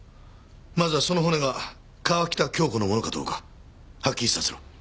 まずはその骨が川喜多京子のものかどうかはっきりさせろ。